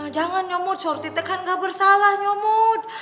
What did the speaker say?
jangan nyomot surti t kan gak bersalah nyomot